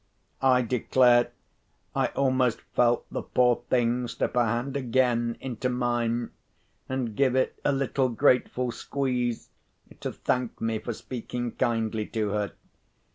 I declare I almost felt the poor thing slip her hand again into mine, and give it a little grateful squeeze to thank me for speaking kindly to her.